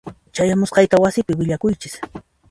Chayamusqayta wasipi willakuychis.